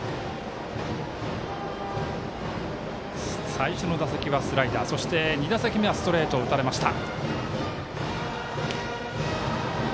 最初の打席はスライダーそして２打席目はストレートを打たれました。